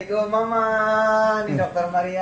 itu mama nih dokter maria